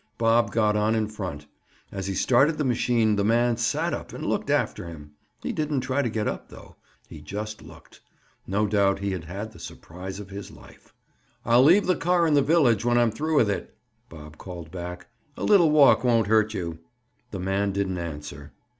Bob got on in front. As he started the machine, the man sat up and looked after him. He didn't try to get up though; he just looked. No doubt he had had the surprise of his life. "I'll leave the car in the village when I'm through with it," Bob called back. "A little walk won't hurt you." The man didn't answer.